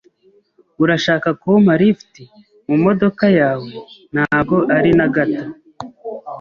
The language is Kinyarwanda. "Urashaka kumpa lift mu modoka yawe?" "Ntabwo ari na gato."